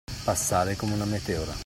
Passare come una meteora.